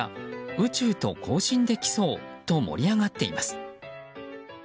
宇宙と交信できそうと盛り上がっています。